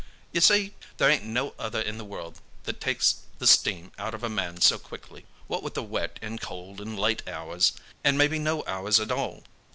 "You see, there ain't no other in the world that takes the steam out of a man so quickly what with wet and cold and late hours, and maybe no hours at all.